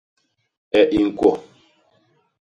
E i ñkwo.